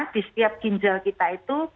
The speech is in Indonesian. di setiap ginjal kita itu